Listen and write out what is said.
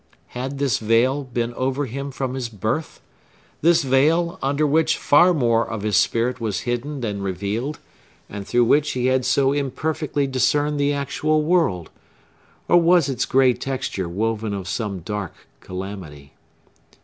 Had this veil been over him from his birth?—this veil, under which far more of his spirit was hidden than revealed, and through which he so imperfectly discerned the actual world,—or was its gray texture woven of some dark calamity?